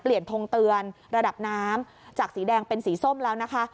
ทงเตือนระดับน้ำจากสีแดงเป็นสีส้มแล้วนะคะ